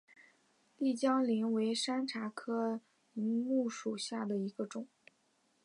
丽江柃为山茶科柃木属下的一个种。